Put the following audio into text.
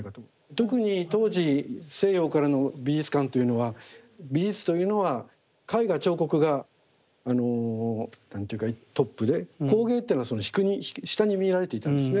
特に当時西洋からの美術観というのは美術というのは絵画彫刻がトップで工芸っていうのはその下に見られていたんですね。